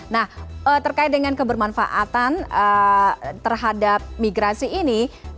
nah terkait dengan kebermanfaatan terhadap migrasi ini